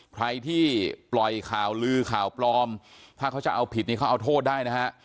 ใครที่ปล่อยข่าวลือข่าวปลอมถ้าเขาจะเอาผิดนี่เขาเอาโทษได้นะฮะ